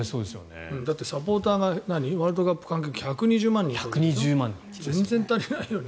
だってサポーターがワールドカップ関係で１２０万人という。